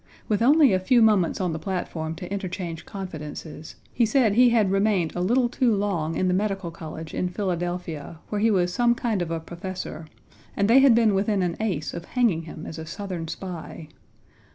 With only a few moments on the platform to interchange confidences, he said he had remained a little too long in the Medical College in Philadelphia, where he was some kind of a professor, and they had been within an ace of hanging him as a Southern spy.